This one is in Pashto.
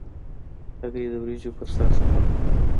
هګۍ د وریجو پر سر ښه خوند کوي.